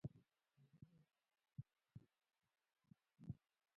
پردي جنګونه به پردیو ته پرېږدو.